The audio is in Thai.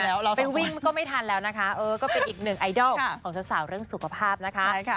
แล้วไปวิ่งก็ไม่ทันแล้วนะคะเออก็เป็นอีกหนึ่งไอดอลของสาวเรื่องสุขภาพนะคะ